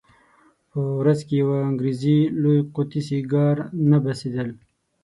په ورځ کې یوه انګریزي لویه قطي سیګار نه بسېدل.